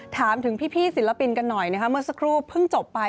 ถามถึงพี่ศิลปินกันหน่อยนะคะเมื่อสักครู่เพิ่งจบไป